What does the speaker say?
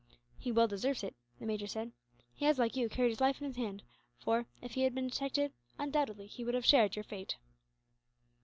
"He well deserves it," the major said. "He has, like you, carried his life in his hand for, if he had been detected, undoubtedly he would have shared your fate."